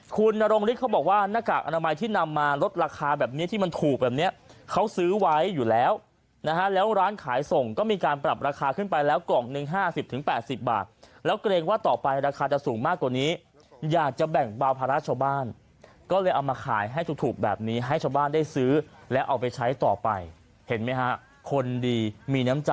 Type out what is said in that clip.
คุณนรงฤทธิเขาบอกว่าหน้ากากอนามัยที่นำมาลดราคาแบบนี้ที่มันถูกแบบเนี้ยเขาซื้อไว้อยู่แล้วนะฮะแล้วร้านขายส่งก็มีการปรับราคาขึ้นไปแล้วกล่องหนึ่ง๕๐๘๐บาทแล้วเกรงว่าต่อไปราคาจะสูงมากกว่านี้อยากจะแบ่งเบาภาระชาวบ้านก็เลยเอามาขายให้ถูกแบบนี้ให้ชาวบ้านได้ซื้อแล้วเอาไปใช้ต่อไปเห็นไหมฮะคนดีมีน้ำจ